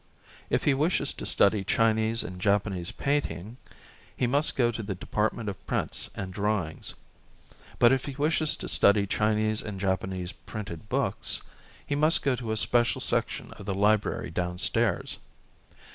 If he wishes to study Chinese and Japanese painting, he must go to the Department of Prints and Drawings ; but if he wishes to study Chinese and Japanese printed books, he must go to a special section of the library downstairs.